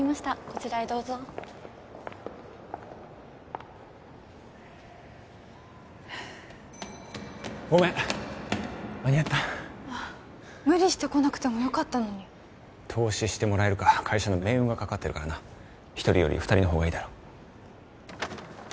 こちらへどうぞふうごめん間に合った無理して来なくてもよかったのに投資してもらえるか会社の命運がかかってるからな１人より２人のほうがいいだろ